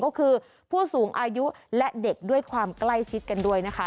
ก็คือผู้สูงอายุและเด็กด้วยความใกล้ชิดกันด้วยนะคะ